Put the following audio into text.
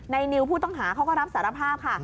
นิวผู้ต้องหาเขาก็รับสารภาพค่ะ